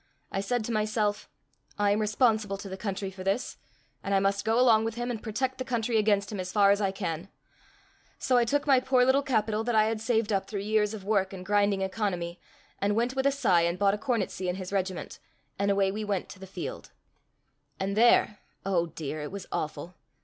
I said to myself, I am responsible to the country for this, and I must go along with him and protect the country against him as far as I can. So I took my poor little capital that I had saved up through years of work and grinding economy, and went with a sigh and bought a cornetcy in his regiment, and away we went to the field. And there&#8212oh dear, it was awful.